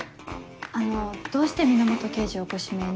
あのどうして源刑事をご指名に？